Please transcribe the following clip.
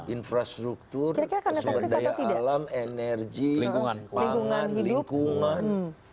infrastruktur sumber daya alam energi pangan lingkungan